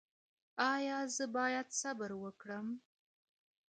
ایا زه باید صبر وکړم؟